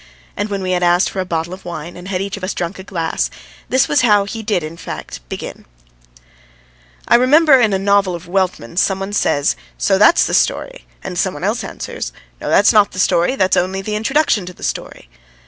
And when we had asked for a bottle of wine and had each of us drunk a glass, this was how he did in fact begin: "I remember in a novel of Weltmann's some one says, 'So that's the story!' and some one else answers, 'No, that's not the story that's only the introduction to the story.'